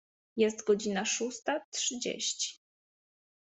Jest godzina szósta trzydzieści.